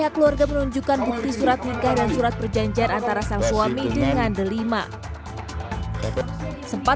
keluarga menunjukkan bukti surat nikah dan surat perjanjian antara sang suami dengan delima sempat